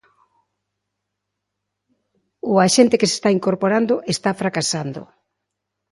Ou a xente que se está incorporando está fracasando.